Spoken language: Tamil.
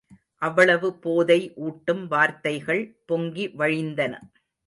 அவ்வளவு போதை ஊட்டும் வார்த்தைகள் பொங்கிவழிந்தன.